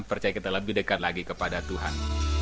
percaya kita lebih dekat lagi kepada tuhan